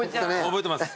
覚えてます